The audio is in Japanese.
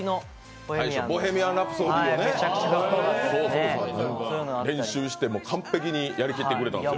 「ボヘミアン・ラプソディ」を練習して完璧にやりきってくれたんですよ。